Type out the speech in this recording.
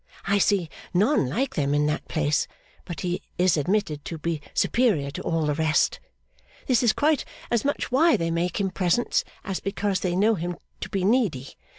I see none like them in that place, but he is admitted to be superior to all the rest. This is quite as much why they make him presents, as because they know him to be needy.